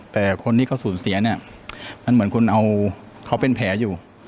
แต่คนที่เขาสูญเสียเนี่ยมันเหมือนคนเอาเขาเป็นแผลอยู่